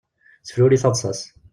Tefruri taḍsa-s.